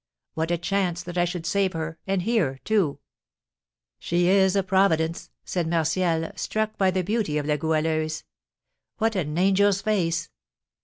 What a chance that I should save her and here, too!" "She is a providence," said Martial, struck by the beauty of La Goualeuse. "What an angel's face!